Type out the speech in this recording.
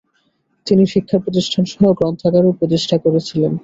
তিনি শিক্ষা প্রতিষ্ঠানসহ, গ্রন্থাগারও প্রতিষ্ঠা করেছিলেন।